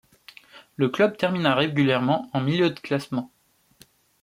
Le club termina régulièrement en milieu de classement.